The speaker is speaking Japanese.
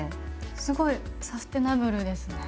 すごいサステナブルですね。